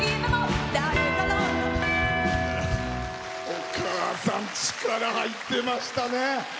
お母さん力、入ってましたね。